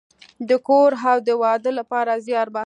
د کور او د واده لپاره زیار باسم